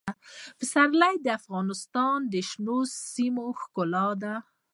پسرلی د افغانستان د شنو سیمو ښکلا ده.